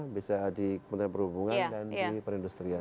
bisa di kementerian perhubungan dan di perindustrian